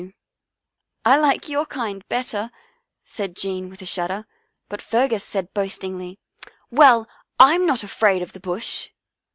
u I like your kind better," said Jean with a shudder, but Fergus said boastingly, " Well, I'm not afraid of the Bush."